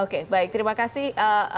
oke baik terima kasih